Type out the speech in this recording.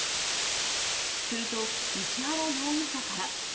すると、石原容疑者から。